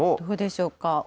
どうでしょうか。